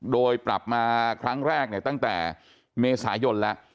โดยปรับมาครั้งแรกเนี่ยตั้งแต่เมษายนแล้ว